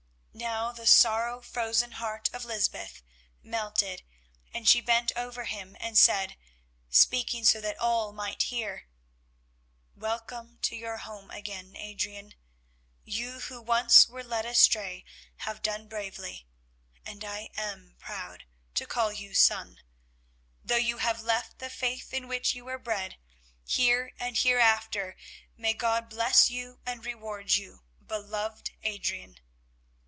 Now the sorrow frozen heart of Lysbeth melted, and she bent over him and said, speaking so that all might hear: "Welcome to your home again, Adrian. You who once were led astray, have done bravely, and I am proud to call you son. Though you have left the faith in which you were bred, here and hereafter may God bless you and reward you, beloved Adrian!"